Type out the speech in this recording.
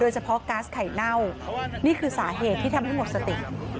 เฉพาะก๊าซไข่เน่านี่คือสาเหตุที่ทำให้หมดสติ